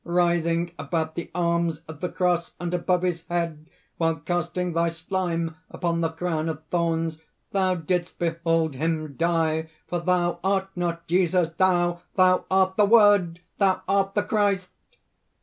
"Writhing about the arms of the cross, and above his head, while casting thy slime upon the crown of thorns, thou didst behold him die! For thou art not Jesus, thou! thou art the Word! thou art the Christ!"